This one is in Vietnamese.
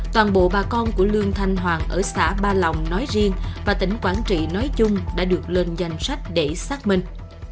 toàn bộ bà con của lương thanh hoàng ở xã ba lòng nói riêng và tỉnh quảng trị nói chung đã được lên danh sách để xác minh